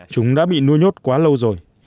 chúng đã bị nuôi nhốt quá lâu rồi